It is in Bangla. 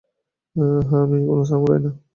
হ্যা আমি কোন সামুরাই না!